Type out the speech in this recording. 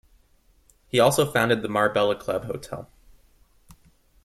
He also founded the Marbella Club Hotel.